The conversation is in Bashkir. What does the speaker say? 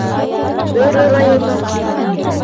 Бөрө районы.